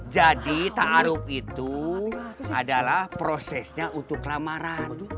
jadi ta'arub itu adalah prosesnya untuk lamaran